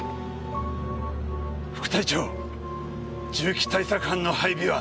副隊長銃器対策班の配備は？